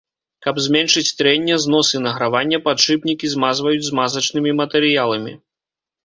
Каб зменшыць трэнне, знос і награванне падшыпнікі змазваюць змазачнымі матэрыяламі.